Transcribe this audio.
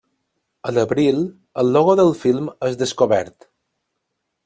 A l'abril, el logo del film és descobert.